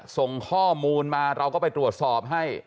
ส่งข้อมูลมาเราก็ไปตรวจสอบให้